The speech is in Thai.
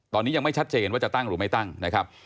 ตอนนี้ยังไม่ชัดเจนว่าจะตั้งหรือไม่ตั้งนะครับ